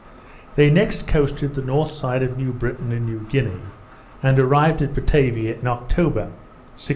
They next coasted the north side of New Britain and New Guinea, and arrived at Batavia in October, 1616.